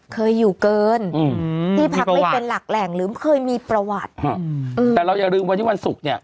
เคยอยู่เกินอืมที่พักไม่เป็นหลักแหล่งหรือเคยมีประวัติแต่เราอย่าลืมวันนี้วันศุกร์เนี่ย